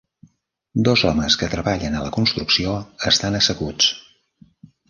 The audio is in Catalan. Dos homes que treballen a la construcció estan asseguts.